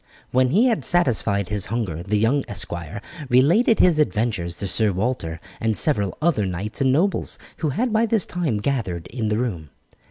When he had satisfied his hunger the young esquire related his adventures to Sir Walter and several other knights and nobles, who had by this time gathered in the room.